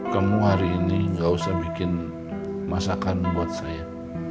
kamu hari ini gak usah bikin masakan buat saya